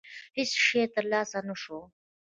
هېڅ شی ترلاسه نه شو.